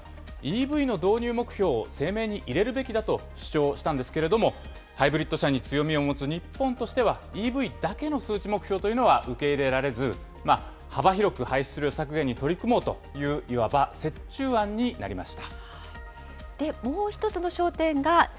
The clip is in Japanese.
この点、ＥＶ・電気自動車に力を入れる欧米としては、ＥＶの導入目標を声明に入れるべきだと主張したんですけれども、ハイブリッド車に強みを持つ日本としては、ＥＶだけの数値目標というのは受け入れられず、幅広く排出量削減に取り組もうという、いわば折衷案になりました。